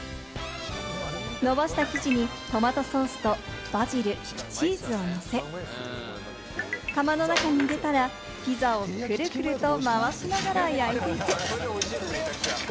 伸ばした生地にトマトソースとバジル、チーズをのせ、窯の中に入れたら、ピザをくるくると回しながら焼いていく。